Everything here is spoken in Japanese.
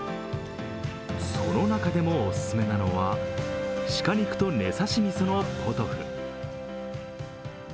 その中でもお勧めなのは鹿肉とねさし味噌のポトフ。